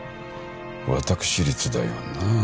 私立だよな？